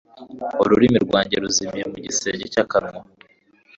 ururimi rwanjye ruzumire mu gisenge cy'akanwa